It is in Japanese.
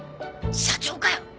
社長かよ！